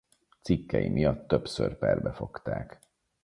Cikkei miatt többször perbe fogták.